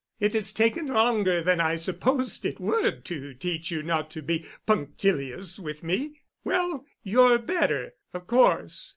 It has taken longer than I supposed it would to teach you not to be punctilious with me. Well, you're better, of course.